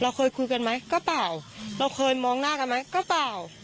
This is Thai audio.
เคยคุยกันไหมก็เปล่าเราเคยมองหน้ากันไหมก็เปล่า